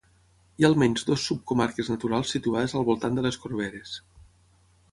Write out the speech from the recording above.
Hi ha almenys dues subcomarques naturals situades al voltant de les Corberes.